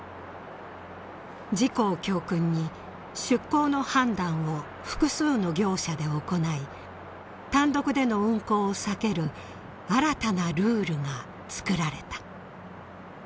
事故を教訓に出航の判断を複数の業者で行い単独での運航を避ける新たなルールが作られた。